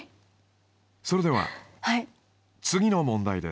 それでは次の問題です。